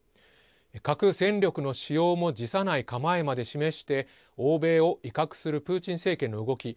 核戦力の使用も辞さない構えまで示して欧米を威嚇するプーチン政権の動き